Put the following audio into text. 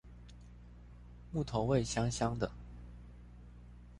木頭味香香的